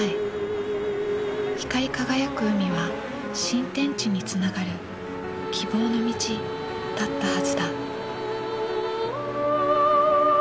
光輝く海は新天地につながる希望の道だったはずだ。